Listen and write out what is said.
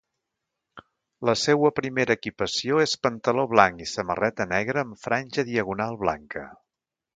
La seua primera equipació és pantaló blanc i samarreta negra amb franja diagonal blanca.